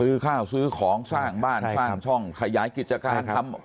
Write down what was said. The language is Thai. ซื้อข้าวซื้อของสร้างบ้านสร้างช่องขยายกิจการทำ